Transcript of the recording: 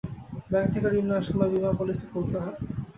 Bank থেকে ঋণ নেওয়ার সময় বিমা পলিসি খুলতে হয়।